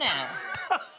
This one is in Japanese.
ハハハハ。